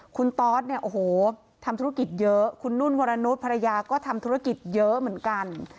คุณตอสเนี่ยโอ้โหทำธุรกิจเยอะคุณนุ่นวรนุษย์ภรรยาก็ทำธุรกิจเยอะเหมือนกัน